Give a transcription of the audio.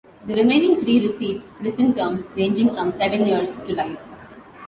The remaining three received prison terms ranging from seven years to life.